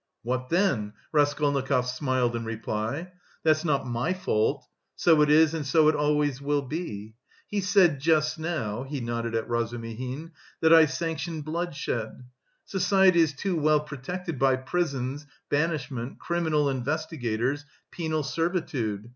"What then?" Raskolnikov smiled in reply; "that's not my fault. So it is and so it always will be. He said just now (he nodded at Razumihin) that I sanction bloodshed. Society is too well protected by prisons, banishment, criminal investigators, penal servitude.